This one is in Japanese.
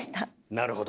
なるほど。